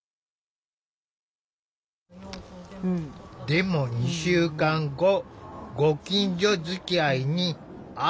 でも２週間後ご近所づきあいにある変化が。